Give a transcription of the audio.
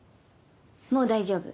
もう大丈夫。